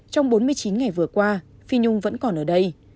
trong bốn mươi chín ngày vừa qua phi nhung vẫn còn ở đây